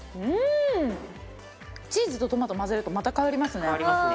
チーズとトマト混ぜるとまた変わりますね変わりますね